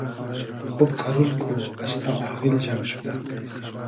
خوب قئرول کو، بئستۂ آغیل جئم شودۂ